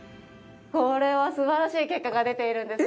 これは素晴らしい結果が出ているんですが。